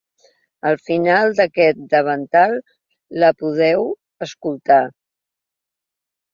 Al final d’aquest davantal la podeu escoltar.